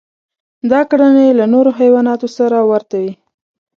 دا کړنې له نورو حیواناتو سره ورته وې.